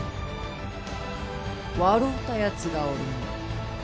笑うたやつがおるの。